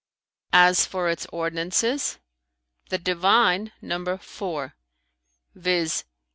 [FN#311] As for its ordinances, the divine number four, viz.